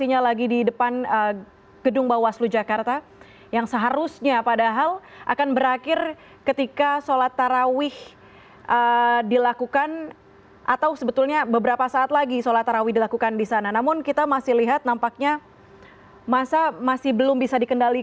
yang anda dengar saat ini sepertinya adalah ajakan untuk berjuang bersama kita untuk keadilan dan kebenaran saudara saudara